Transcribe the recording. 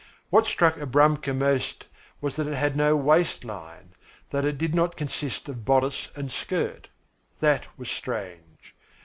What struck Abramka most was that it had no waist line, that it did not consist of bodice and skirt. That was strange.